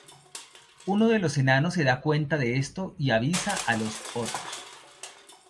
Uno de los enanos se da cuenta de esto y avisa a los otros.